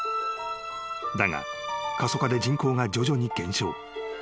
［だが過疎化で人口が徐々に減少］